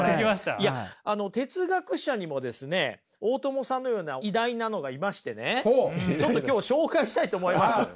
いや哲学者にもですね大友さんのような偉大なのがいましてねちょっと今日紹介したいと思います。